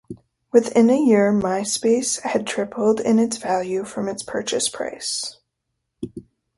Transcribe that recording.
Within a year, Myspace had tripled in value from its purchase price.